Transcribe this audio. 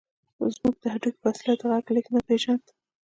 موږ د هډوکي په وسيله د غږ لېږد نه پېژاند.